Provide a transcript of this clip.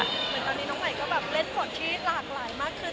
เหมือนตอนนี้น้องใหม่ก็แบบเล่นบทที่หลากหลายมากขึ้น